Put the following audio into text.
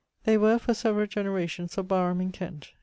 They were, for severall generations, of Barham in Kent.